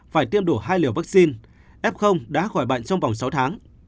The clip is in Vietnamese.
phải tiêm đủ hai liều vaccine f đã khỏi bệnh trong vòng sáu tháng